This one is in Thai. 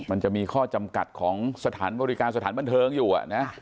มันจะมีข้อจำกัดของสถานบริการสถานบันเทิงอยู่นะ